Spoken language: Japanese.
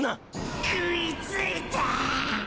食いついたァ！！